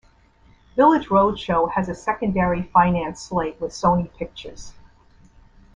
Village Roadshow has a secondary finance slate with Sony Pictures.